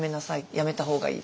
やめた方がいい。